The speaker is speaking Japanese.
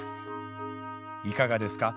いかがですか？